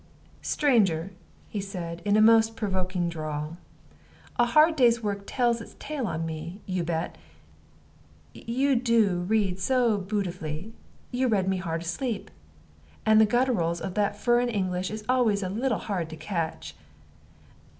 "Stranger," he said, in a most provoking drawl, "a hard day's work tells its tale on me, you bet. You do read so bootiful, you read me hard asleep. And the gutturals of that furrin English is always a little hard to catch.